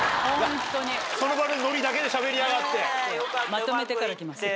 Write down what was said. まとめてから来ます。